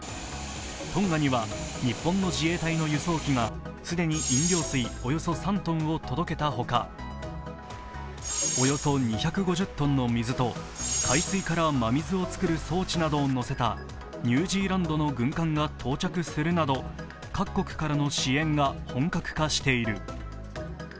トンガには日本の自衛隊の輸送機が既に飲料水およそ３ｔを届けたほか、およそ２５０ｔの水と海水から真水を作る装置などを載せたニュージーランドの軍艦が到着するなど各国からの支援が本格化している。